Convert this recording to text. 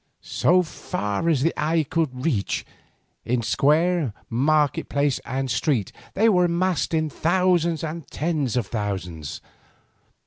So far as the eye could reach, in square, market place, and street, they were massed in thousands and tens of thousands.